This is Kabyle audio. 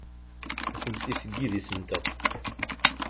Atenti seg yidis-nteɣ.